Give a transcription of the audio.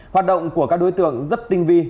hoạt động của các đối tượng rất tinh vi